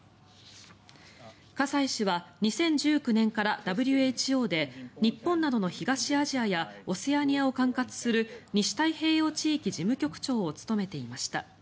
葛西氏は２０１９年からＷＨＯで日本などの東アジアやオセアニアを管轄する西太平洋地域事務局長を務めていました。